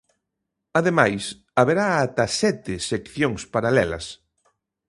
Ademais, haberá ata sete seccións paralelas.